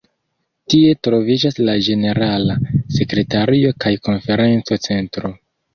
Tie troviĝas la ĝenerala sekretario kaj konferenco-centro.